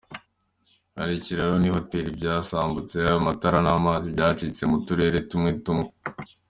Hari ikiraro n'ihoteli vyasambutse, amatara n'amazi vyacitse mu turere tumwe tumwe.